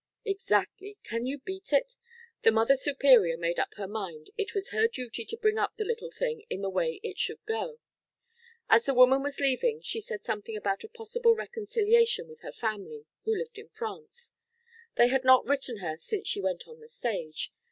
"Exactly. Can you beat it? The Mother Superior made up her mind it was her duty to bring up the little thing in the way it should go. As the woman was leaving she said something about a possible reconciliation with her family, who lived in France; they had not written her since she went on the stage.